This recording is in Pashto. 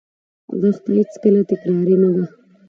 دښته هېڅکله تکراري نه ده.